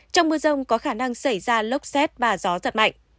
trong mưa rông có khả năng xảy ra lốc xét và gió giật mạnh